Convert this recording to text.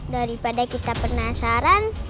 daripada kita penasaran